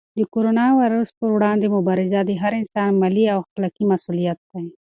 د کرونا وېروس پر وړاندې مبارزه د هر انسان ملي او اخلاقي مسؤلیت دی.